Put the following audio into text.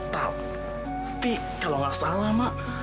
tapi kalau nggak salah mak